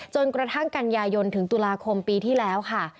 จนกระทั่งกันยายนถึงตุลาคมปีที่แล้วค่ะ